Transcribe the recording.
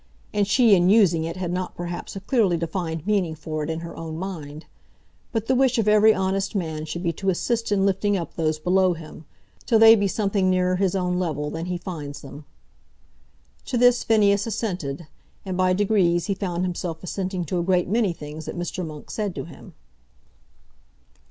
And she, in using it, had not perhaps a clearly defined meaning for it in her own mind. But the wish of every honest man should be to assist in lifting up those below him, till they be something nearer his own level than he finds them." To this Phineas assented, and by degrees he found himself assenting to a great many things that Mr. Monk said to him.